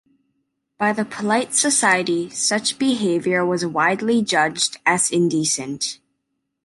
By the polite society, such behaviour was widely judged as indecent.